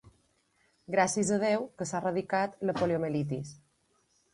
Gràcies a Déu que s'ha erradicat la poliomielitis.